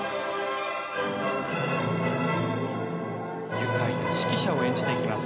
愉快な指揮者を演じていきます。